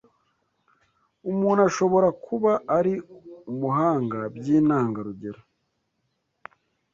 Umuntu ashobora kuba ari umuhanga by’intangarugero